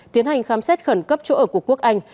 tiến hành khám xét khẩn cấp chỗ ở của quốc anh